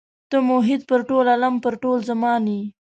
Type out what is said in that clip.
ته محیط پر ټول عالم پر ټول زمان یې.